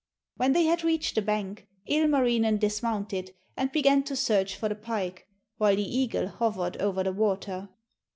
When they had reached the bank, Ilmarinen dismounted and began to search for the pike, while the eagle hovered over the water.